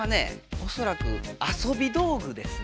おそらく遊び道具ですね。